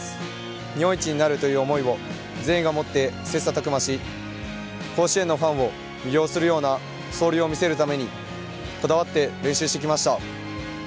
日本一になるという思いを全員が持って切磋琢磨し甲子園のファンを魅了するような走塁を見せるためにこだわって練習してきました。